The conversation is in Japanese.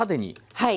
はい。